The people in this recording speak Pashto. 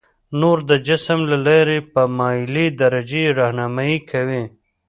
نور د جسم له لارې په مایلې درجې رهنمایي کوي.